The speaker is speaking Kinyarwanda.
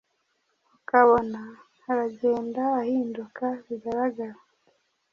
ukabona aragenda ahinduka bigaragara